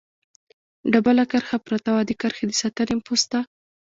ډبله کرښه پرته وه، د کرښې د ساتنې پوسته.